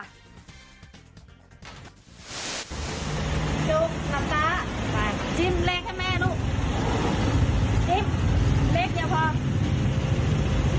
จิ๊กเอาเลขเยี่ยมพอ